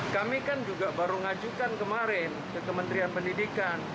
kami kan juga baru ngajukan kemarin ke kementerian pendidikan